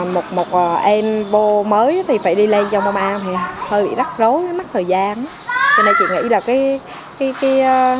một em bô mới thì phải đi lên cho bơm an thì hơi bị rắc rối mắc thời gian cho nên chị nghĩ là